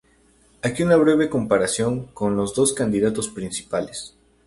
Aquí una breve comparación con los dos candidatos principales.